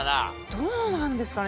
どうなんですかね？